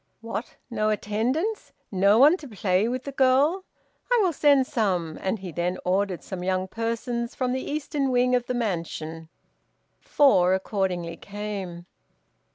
"What! no attendants? No one to play with the girl? I will send some," and he then ordered some young persons from the eastern wing of the mansion. Four accordingly came.